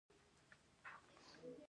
شیرین بویه بهر ته صادریږي